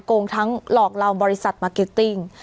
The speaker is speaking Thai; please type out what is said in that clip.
โกงทั้งหลอกเราบริษัทมาร์เก็ตติ้ง